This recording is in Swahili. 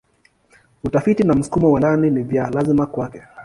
Utafiti na msukumo wa ndani ni vya lazima kwake.